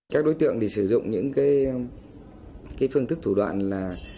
các đối tượng sử dụng những phương thức thủ đoạn là